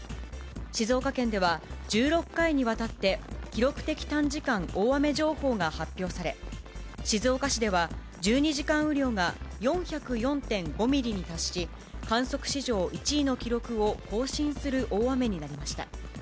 静岡県では、１６回にわたって記録的短時間大雨情報が発表され、静岡市では、１２時間雨量が４０４．５ミリに達し、観測史上１位の記録を更新する大雨になりました。